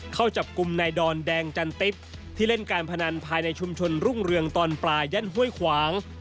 เข้าจับกลุ่มนายดอนแดงจันติ๊บที่เล่นการพนันภายในชุมชนรุ่งเรืองตอนปลายย่านห้วยขวาง